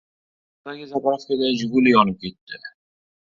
Jizzaxdagi zapravkada «Jiguli» yonib ketdi